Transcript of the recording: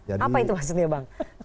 apa itu maksudnya bang